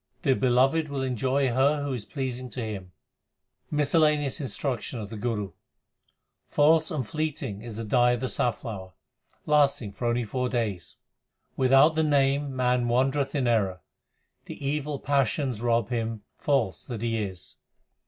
The Beloved will enjoy her who is pleasing to Him. HYMNS OF GURU NANAK 341 Miscellaneous instruction of the Guru : False and fleeting is the dye of the safflower, lasting for only four days. Without the Name man wandereth in error ; the evil passions x rob him, false that he is.